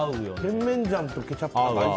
甜麺醤とケチャップ合い